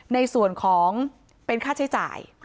ในส่วนของเป็นค่าใช้จ่าย